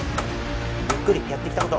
ゆっくりやってきたこと。